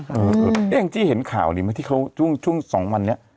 เฮ้ยอย่างที่เห็นข่าวนี้มาที่เขาช่วง๒วันเนี่ย